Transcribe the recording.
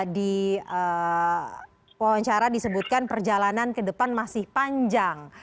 di wawancara disebutkan perjalanan ke depan masih panjang